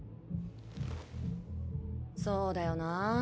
そうだよな。